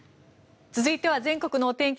続いては全国のお天気